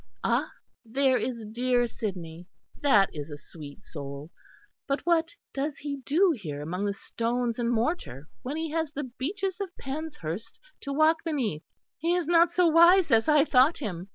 Ah! there is dear Sidney; that is a sweet soul. But what does he do here among the stones and mortar when he has the beeches of Penshurst to walk beneath. He is not so wise as I thought him....